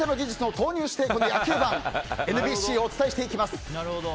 野球盤、ＮＢＣをお伝えしていきます。